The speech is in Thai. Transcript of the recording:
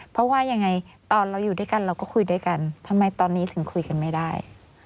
เพราะว่ายังไงตอนเราอยู่ด้วยกันเราก็คุยด้วยกันทำไมตอนนี้ถึงคุยกันไม่ได้